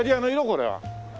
これは。